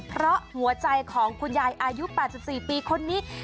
เพราะหัวใจของคุณยายอายุ๘๔ปีคนนี้